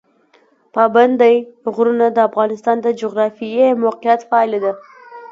پابندی غرونه د افغانستان د جغرافیایي موقیعت پایله ده.